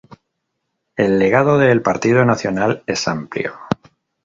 El legado del Partido Nacional es amplio.